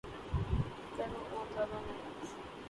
گر وہ بہت زیادہ مایوس